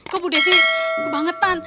kok bu devi kebangetan